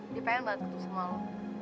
dia pengen banget ketuk sama lo